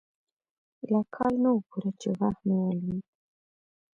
لا کال نه و پوره چې غاښ مې ولوېد.